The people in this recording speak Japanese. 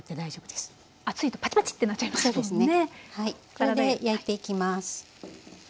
これで焼いていきます。